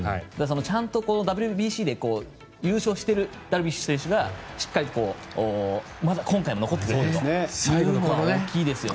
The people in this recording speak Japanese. ちゃんとＷＢＣで優勝しているダルビッシュ選手がしっかり今回も残ってくれてるのは大きいですよね。